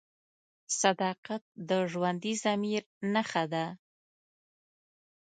صداقت د ژوندي ضمیر نښه ده.